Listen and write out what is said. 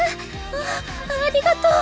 あっありがとう。